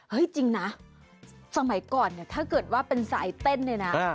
จริงนะสมัยก่อนเนี่ยถ้าเกิดว่าเป็นสายเต้นเนี่ยนะ